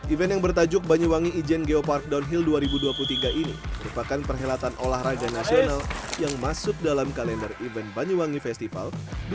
event yang bertajuk banyuwangi ijen geopark downhill dua ribu dua puluh tiga ini merupakan perhelatan olahraga nasional yang masuk dalam kalender event banyuwangi festival dua ribu dua puluh